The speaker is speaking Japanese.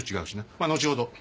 まっ後ほど。